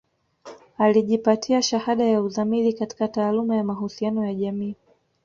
Alijipatia shahada ya uzamili katika taaluma ya mahusiano ya jamii